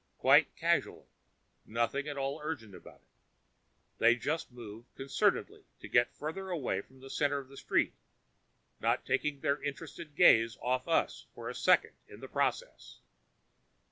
Quite casually nothing at all urgent about it. They just moved concertedly to get farther away from the center of the street, not taking their interested gaze off us for one second in the process.